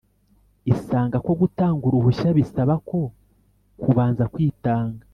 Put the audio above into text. Isanga ko gutanga uruhushya bisaba ko kubanza kwitanga